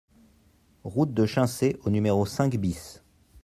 Route de Chincé au numéro cinq BIS